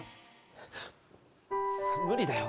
無理だよ